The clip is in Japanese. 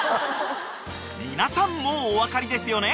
［皆さんもうお分かりですよね